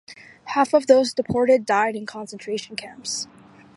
Half of those deported died in concentration camps.